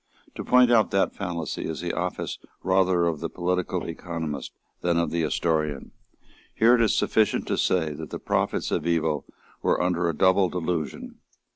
To point out that fallacy is the office rather of the political economist than of the historian. Here it is sufficient to say that the prophets of evil were under a double delusion.